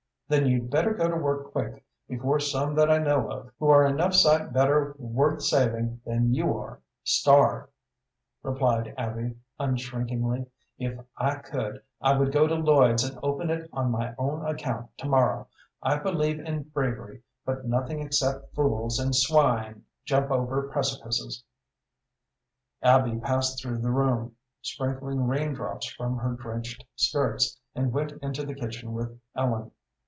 "Then you'd better go to work quick, before some that I know of, who are enough sight better worth saving than you are, starve," replied Abby, unshrinkingly. "If I could I would go to Lloyd's and open it on my own account to morrow. I believe in bravery, but nothing except fools and swine jump over precipices." Abby passed through the room, sprinkling rain drops from her drenched skirts, and went into the kitchen with Ellen.